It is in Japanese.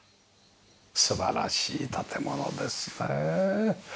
素晴らしい建物ですね。